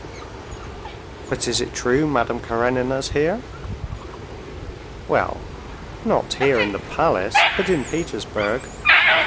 "But is it true Madame Karenina's here?" "Well, not here in the palace, but in Petersburg.